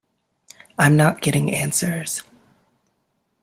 I'm not getting answers.